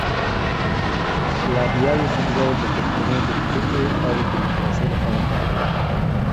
لایبا یوسفزۍ د پښتنو د حقونو او ډیموکراسۍ لپاره کار کړی.